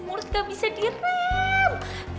murs gak bisa direm